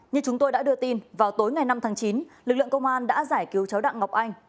như chúng tôi đã đưa tin vào tối ngày năm tháng chín lực lượng công an đã giải cứu cháu đặng ngọc anh